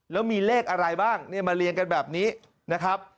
แล้วมีเลขอะไรบ้างเนี่ยมาเรียงกันแบบนี้นะครับ